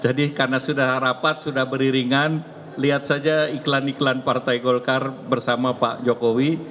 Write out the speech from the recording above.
jadi karena sudah rapat sudah beriringan lihat saja iklan iklan partai golkar bersama pak jokowi